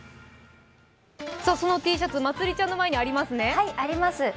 そのＴシャツ、まつりちゃんの前にありますね。